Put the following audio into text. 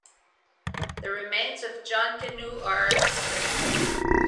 The remains of John Canoe are a mystery.